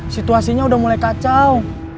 situasinya udah mulai kacau